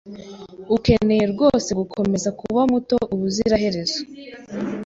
Ukeneye rwose gukomeza kuba muto ubuziraherezo?